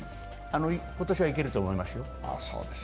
今年はいけると思いますよ。